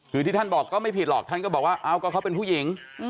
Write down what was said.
คือที่ท่านบอกก็ไม่ผิดหรอกท่านก็บอกว่าเอาก็เขาเป็นผู้หญิง